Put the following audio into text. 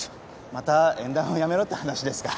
また縁談をやめろって話ですか。